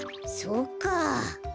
そっかあ。